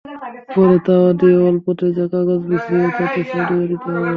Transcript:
পরে তাওয়ায় দিয়ে অল্প ভেজে কাগজ বিছিয়ে তাতে ছড়িয়ে দিতে হবে।